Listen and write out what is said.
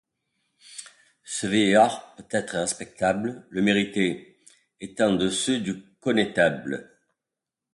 Ce vieillard, peut-être respectable, Le méritait, étant de ceux du connétable.